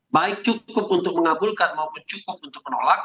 baik cukup untuk mengabulkan maupun cukup untuk menolak